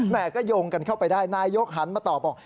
แม่ก็โยงกันเข้าไปได้นายกหันมาตอบบอก